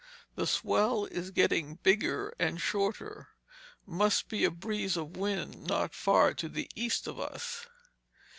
The swell is getting bigger and shorter. Must be a breeze of wind not far to the east of us."